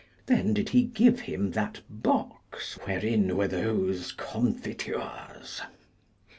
Then did he give him that box wherein were those confitures.